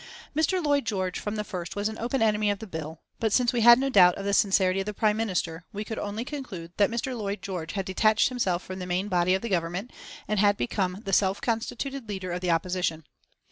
Mr. Lloyd George from the first was an open enemy of the bill, but since we had no doubt of the sincerity of the Prime Minister, we could only conclude that Mr. Lloyd George had detached himself from the main body of the Government and had become the self constituted leader of the opposition.